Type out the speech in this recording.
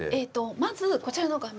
まずこちらの画面を。